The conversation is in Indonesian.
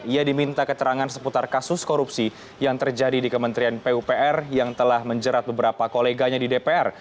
ia diminta keterangan seputar kasus korupsi yang terjadi di kementerian pupr yang telah menjerat beberapa koleganya di dpr